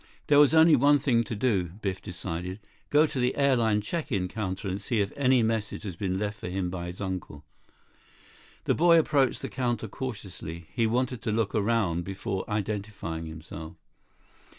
There was only one thing to do, Biff decided. Go to the airline check in counter and see if any message had been left him by his uncle. The boy approached the counter cautiously. He wanted to look around before identifying himself.